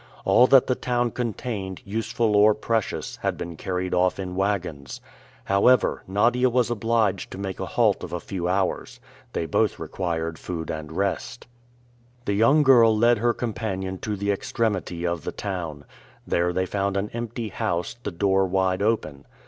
All that the town contained, useful or precious, had been carried off in wagons. However, Nadia was obliged to make a halt of a few hours. They both required food and rest. The young girl led her companion to the extremity of the town. There they found an empty house, the door wide open.